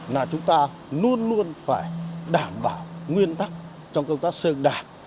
là chúng ta luôn luôn phải đảm bảo nguyên tắc trong công tác sơn đảng